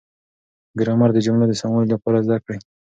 ګرامر د جملو د سموالي لپاره زده کړئ.